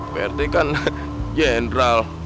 pak rt kan general